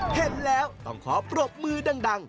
เห็นแล้วต้องขอปรบมือดัง